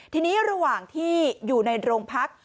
ทีนี้ระหว่างที่อยู่ในโรงพัก